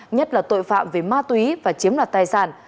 nhất là tội phạm về ma túy và chiếm đoạt tài sản